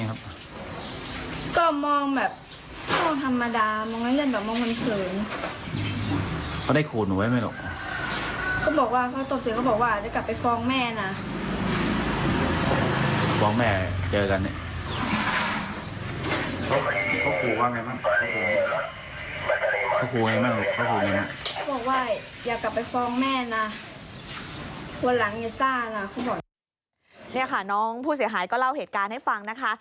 นี่ค่ะน้องผู้เสียหายก็เล่าเหตุการณ์ให้ฟังนะคะ